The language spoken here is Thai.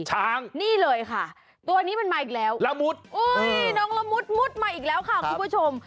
ช้างต่อดีนี่เลยค่ะตัวนี้มันมาอีกแล้วน้องละมุดมุดมาอีกแล้วค่ะคุณผู้ชม